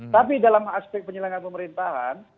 tapi dalam aspek penyelenggaraan pemerintahan